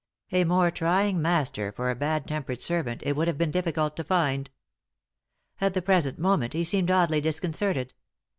A more trying master for a bad tempered servant it would have been difficult to find. At the present moment he seemed oddly disconcerted.